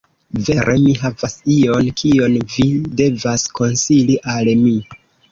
Vere, mi havas ion kion vi devas konsili al mi